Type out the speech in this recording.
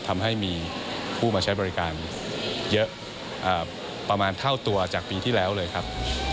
ทำให้มีผู้มาใช้บริการเยอะประมาณเท่าตัวจากปีที่แล้วเลยครับ